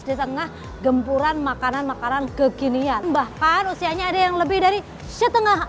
di tengah gempuran makanan makanan kekinian bahkan usianya ada yang lebih dari setengah